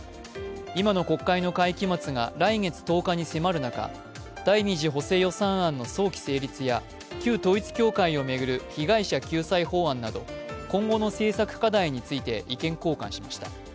今の国会の会期末が来月１０日に迫る中、第２次補正予算案の早期成立や旧統一教会を巡る被害者救済法案など、今後の政策課題について意見交換しました。